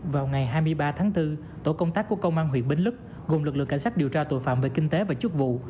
vào ngày hai mươi ba tháng bốn tổ công tác của công an huyện bến lức gồm lực lượng cảnh sát điều tra tội phạm về kinh tế và chức vụ